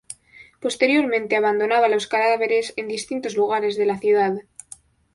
Posteriormente, abandonaba los cadáveres en distintos lugares de la ciudad.